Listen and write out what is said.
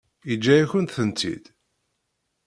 Yeǧǧa-yakent-tent-id?